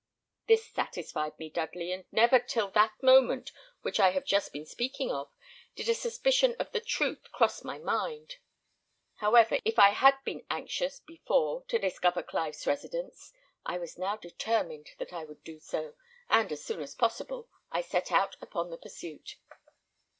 This satisfied me, Dudley, and never till that moment which I have just been speaking of, did a suspicion of the truth cross my mind. However, if I had been anxious before to discover Clive's residence, I was now determined that I would do so, and as soon as possible I set out upon the pursuit.